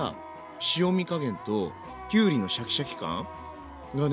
塩み加減ときゅうりのシャキシャキ感がね